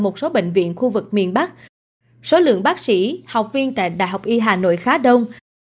một số bệnh viện khu vực miền bắc số lượng bác sĩ học viên tại đại học y hà nội khá đông